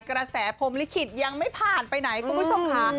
กระแสพรมลิขิตยังไม่ผ่านไปไหนคุณผู้ชมค่ะ